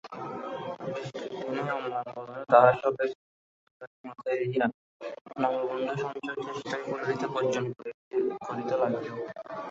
বৃষ্টির দিনে অম্লানবদনে তাঁহার শখের সিল্কের ছাতাটি মাথায় দিয়া নববন্ধুসঞ্চয়চেষ্টায় পল্লীতে পর্যটন করিতে লাগিল।